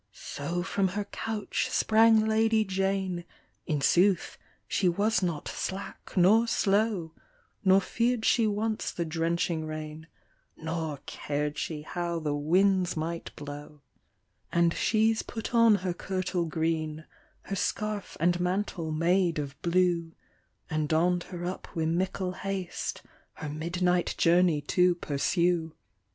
So from her conch sprang Lady Jane; In sooth, she was not slack nor slow, Nor fear'd she once the drenching rain, Nor car'd she how the winds might blow. • OF DEATH. 115 And she's put on her kertle green, Her scarf and mantle made of blue And donn'd her up wi' mickle haste, Her midnight journey to pursue.